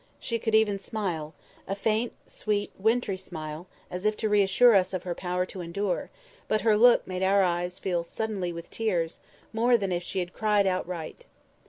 She could even smile—a faint, sweet, wintry smile—as if to reassure us of her power to endure; but her look made our eyes fill suddenly with tears, more than if she had cried outright.